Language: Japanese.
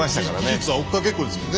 技術は追っかけっこですもんね。